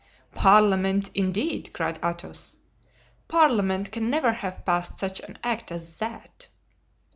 "Parliament indeed!" cried Athos. "Parliament can never have passed such an act as that."